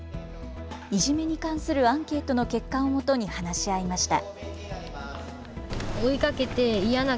いじめに関するアンケートの結果をもとに話し合いました。